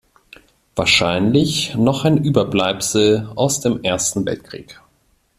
Wahrscheinlich noch ein Überbleibsel aus dem Ersten Weltkrieg.